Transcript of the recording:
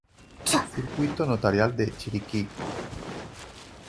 Circuito Notarial de Chiriquí.